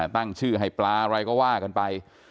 ตั้งชื่อให้ปลาอะไรก็ว่ากันไป